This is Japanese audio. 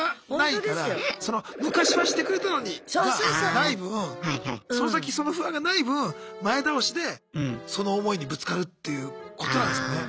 がない分その先その不安がない分前倒しでその思いにぶつかるっていうことなんすかね。